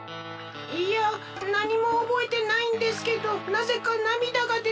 いやなにもおぼえてないんですけどなぜかなみだがでてきました。